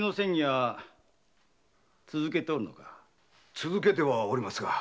続けてはおりますが。